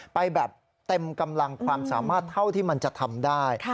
ไปแบบเต็มกำลังความสามารถเท่าที่มันจะทำได้